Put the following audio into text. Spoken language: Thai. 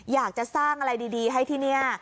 อยากจะสร้างอะไรดีให้ที่นี่